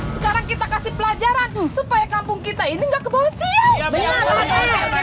sekarang kita kasih pelajaran supaya kampung kita ini nggak kebosi